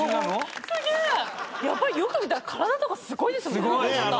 よく見たら体とかすごいですもんね。